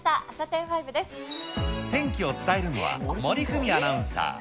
天気を伝えるのは、森富美アナウンサー。